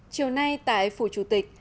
chiều nay tại phủ chủ tịch